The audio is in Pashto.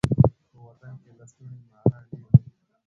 په وطن کي د لستوڼي ماران ډیر دي.